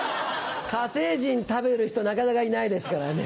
火星人食べる人なかなかいないですからね。